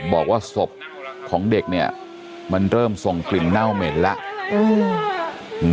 บอกว่าศพของเด็กเนี่ยมันเริ่มส่งกลิ่นเน่าเหม็นแล้ว